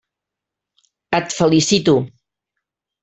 Et felicito.